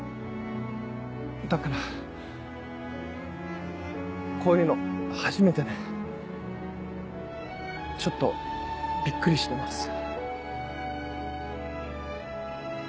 だからこういうの初めてでちょっとびっくりしてます。